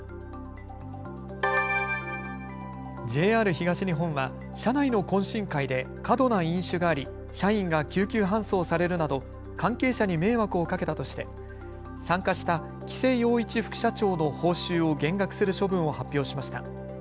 ＪＲ東日本は社内の懇親会で過度な飲酒があり社員が救急搬送されるなど関係者に迷惑をかけたとして参加した喜勢陽一副社長の報酬を減額する処分を発表しました。